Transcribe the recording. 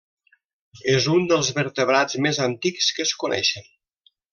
És un dels vertebrats més antics que es coneixen.